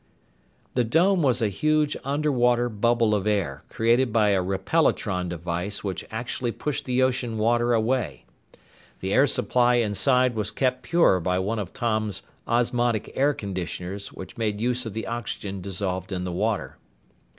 The dome was a huge underwater bubble of air, created by a repelatron device which actually pushed the ocean water away. The air supply inside was kept pure by one of Tom's osmotic air conditioners which made use of the oxygen dissolved in the water.